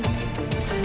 yang bener aja